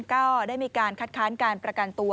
ก็ได้มีการคัดค้านการประกันตัว